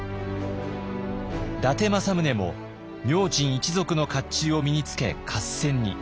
伊達政宗も明珍一族の甲冑を身につけ合戦に。